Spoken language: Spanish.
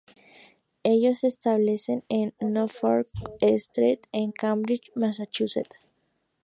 Ellos se establecieron en Norfolk Street, en Cambridge, Massachusetts.